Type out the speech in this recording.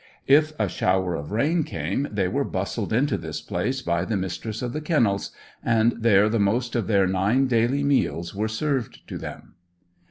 If a shower of rain came, they were bustled into this place by the Mistress of the Kennels, and there the most of their nine daily meals were served to them.